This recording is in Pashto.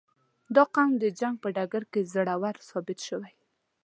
• دا قوم د جنګ په ډګر کې زړور ثابت شوی.